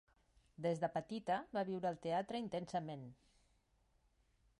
Des de petita va viure el teatre intensament.